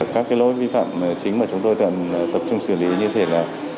các lỗi vi phạm chính mà chúng tôi tập trung xử lý như thế này